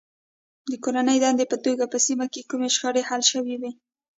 د کورنۍ دندې په توګه که په سیمه کې کومه شخړه حل شوې وي.